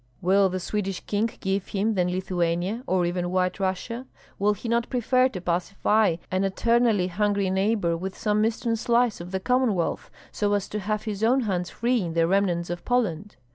Will the Swedish King give him then Lithuania, or even White Russia? Will he not prefer to pacify an eternally hungry neighbor with some eastern slice of the Commonwealth, so as to have his own hands free in the remnants of Poland?